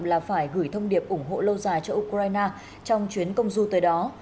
là phải gửi thông điệp ủng hộ lâu dài cho ukraine trong chuyến công du tới đó